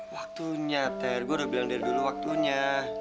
waktunya ter gua udah bilang dari dulu waktunya